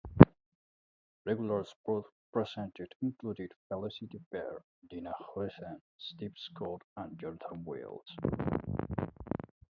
Regular sports presenters included Felicity Barr, Nina Hossain, Steve Scott and Jonathan Wills.